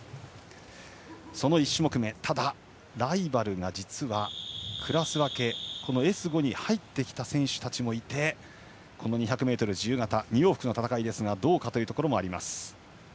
その１種目め、ただライバルがクラス分け、Ｓ５に入ってきた選手もいてこの２００ｍ自由形２往復の戦いですがどうかというところ。